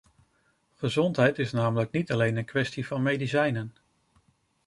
Gezondheid is namelijk niet alleen een kwestie van medicijnen.